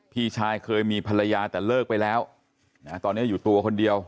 พี่ชายเคยมีภรรยาแต่เลิกไปแล้วตอนนี้อยู่ตัวคนเดียว